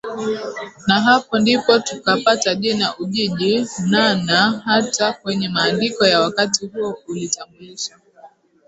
Na hapo ndipo tukapata jina Ujiji NaNa hata kwenye maandiko ya wakati huo ulitambulisha